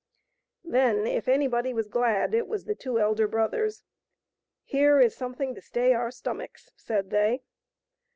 Then, if anybody was glad, it was the two elder brothers. " Here is something to stay our stomachs," said they.